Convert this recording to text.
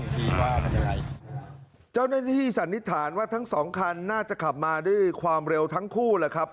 เจ้าหน้าที่สันนิษฐานว่าทั้งสองคันน่าจะขับมาด้วยความเร็วทั้งคู่แหละครับ